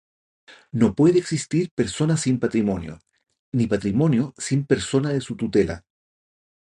No puede existir persona sin patrimonio, ni patrimonio sin persona de su tutela.